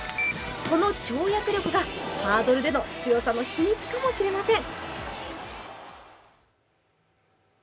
この跳躍力がハードルでの強さの秘密かもしれません。